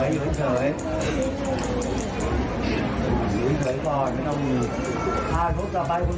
อยู่เฉยก่อนไม่ต้อง